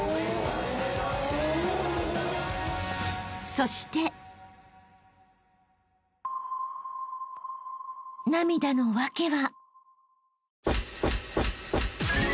［そして］［涙の訳は］